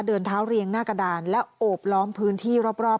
เดินเท้าเรียงหน้ากระดานและโอบล้อมพื้นที่รอบ